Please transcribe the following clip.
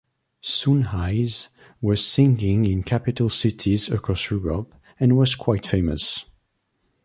Soon Hayes was singing in capital cities across Europe and was quite famous.